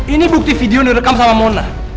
ini bukti video yang direkam sama mona